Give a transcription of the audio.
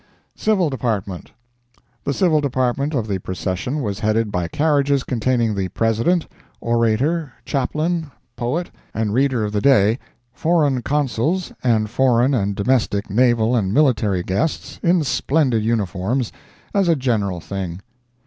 CIVIL DEPARTMENT.—The civil department of the Procession was headed by carriages containing the President, Orator, Chaplain, Poet, and Reader of the Day, foreign Consuls, and foreign and domestic naval and military guests, in splendid uniforms, as a general thing.